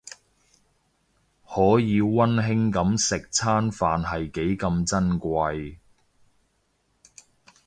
可以溫馨噉食餐飯係幾咁珍貴